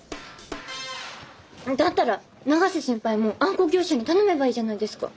だったら永瀬先輩もあんこ業者に頼めばいいじゃないですか。